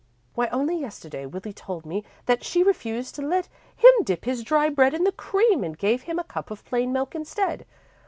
Why, only yesterday, Willie told me that she refused to let him dip his dry bread in the cream, and gave him a cup of plain milk instead.